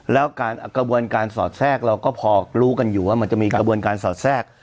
แล้วการกระบวนการสอดแทรกเราก็พอรู้กันอยู่ว่ามันจะมีกระบวนการสอดแทรก